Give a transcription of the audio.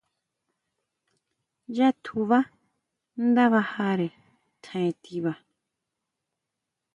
Yá tjuba nda bajare tjaen tiba.